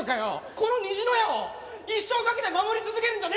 この虹の屋を一生かけて守り続けるんじゃねえのかよ！？